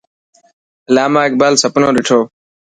علامه اقبال سپنو ڏٺو.